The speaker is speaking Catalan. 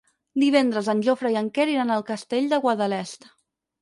Divendres en Jofre i en Quer iran al Castell de Guadalest.